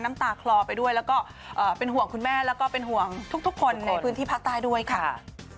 น้ำตาคลอไปด้วยแล้วก็เป็นห่วงคุณแม่แล้วก็เป็นห่วงทุกคนในพื้นที่ภาคใต้ด้วยค่ะ